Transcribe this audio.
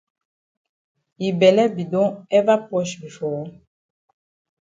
Yi bele be don ever posh before?